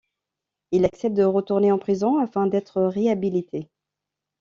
Il accepte de retourner en prison afin d'être réhabilité.